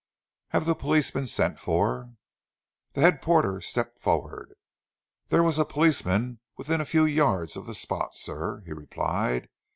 "Have the police been sent for?" The head porter stepped forward. "There was a policeman within a few yards of the spot, sir," he replied.